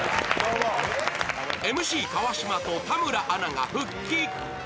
ＭＣ川島と田村アナが復帰。